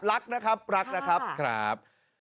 รักนะครับครับ